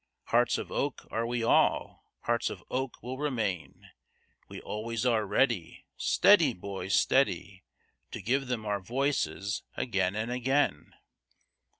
Hearts of oak are we all, hearts of oak we'll remain: We always are ready Steady, boys, steady To give them our voices again and again.